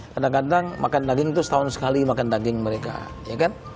kadang kadang makan daging itu setahun sekali makan daging mereka ya kan